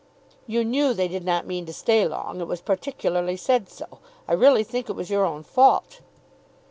"You knew they did not mean to stay long. It was particularly said so. I really think it was your own fault."